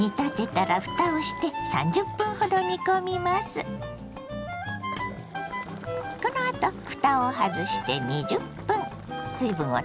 このあとふたを外して２０分水分を飛ばしてね。